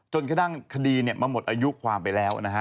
จนกระดับนิยมันหมดอายุความไปแล้วนะครับ